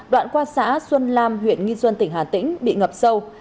đoạn qua xã xuân lam huyện nghi xuân tỉnh hà tĩnh bị ngập sâu